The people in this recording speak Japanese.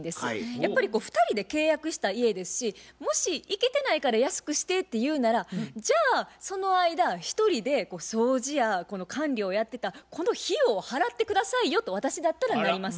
やっぱり２人で契約した家ですしもし行けてないから安くしてっていうならじゃあその間一人で掃除や管理をやってたこの費用を払って下さいよと私だったらなります。